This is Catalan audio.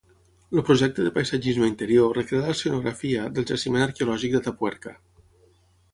El projecte de paisatgisme interior recrea l'escenografia del Jaciment arqueològic d'Atapuerca.